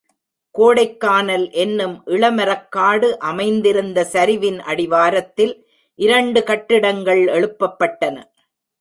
கோடைக்கானல் என்னும் இள மரக்காடு அமைந்திருந்த சரிவின் அடிவாரத்தில் இரண்டு கட்டிடங்கள் எழுப்பப்பட்டன.